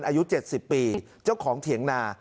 อายุ๗๐ปีเจ้าของเถียงนา